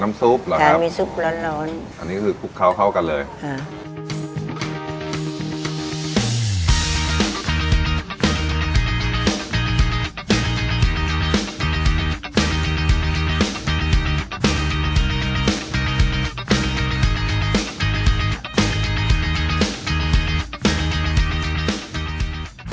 น้ำซุปหรอครับอันนี้คือคลุกเข้ากันเลยค่ะ